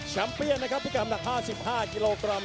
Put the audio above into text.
ชัมเปียนนะครับพี่กำหนัก๕๕กิโลกรัม